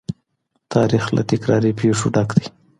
تاريخ له تکراري پېښو ډک دی.